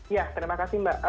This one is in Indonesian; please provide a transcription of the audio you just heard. ya terima kasih